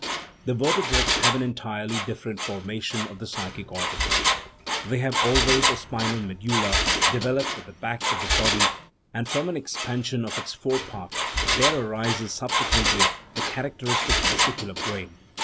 The vertebrates have an entirely dif ferent formation of the psychic organ; they have al ways a spinal medulla developed at the back of the body; and from an expansion of its fore part there arises subsequently the characteristic vesicular brain.